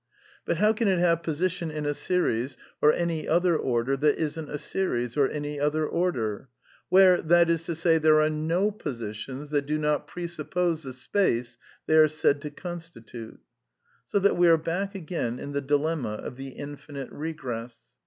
But how can it have position in a series (or any other order) that isn't a series (or any other order) ; where, that is to say, there are no positions that do not presup pose the space they are said to constitute ? So that we are back again in the dilemma of the infinite regress.